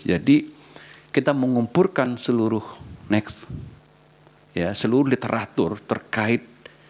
jadi kita mengumpulkan seluruh next ya seluruh literatur terkait